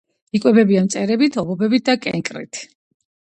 იკვებებიან მწერებით, ობობებით, კენკრით.